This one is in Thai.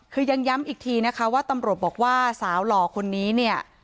คือยังย้ำอีกทีนะคะว่าตำรวจบอกว่าสาวหล่อคนนี้เนี่ย